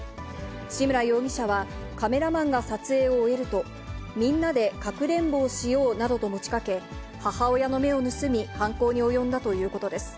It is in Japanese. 志村容疑者は、カメラマンが撮影を終えると、みんなでかくれんぼをしようなどと持ちかけ、母親の目を盗み、犯行に及んだということです。